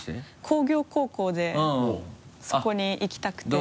工業高校でそこに行きたくて。